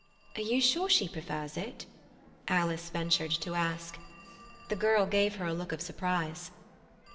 "Are you sure she prefers it?" Alice ventured to ask. The girl gave her a look of surprise.